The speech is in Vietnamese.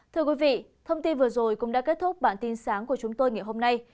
thưa quý vị thông tin vừa rồi cũng đã kết thúc bản tin sáng của chúng tôi ngày hôm nay